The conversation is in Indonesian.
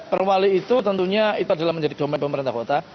perwali itu tentunya itu adalah menjadi domain pemerintah kota